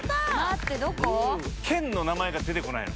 県の名前が出てこないの。